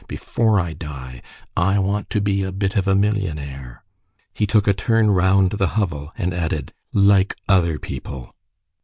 before I die! I want to be a bit of a millionnaire!" He took a turn round the hovel, and added:— "Like other people."